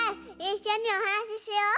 いっしょにおはなししよう！